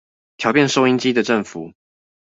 調變收音機的振幅